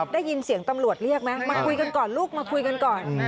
ได้ยินเสียงตำรวจเรียกไหมมาคุยกันก่อนลูกมาคุยกันก่อน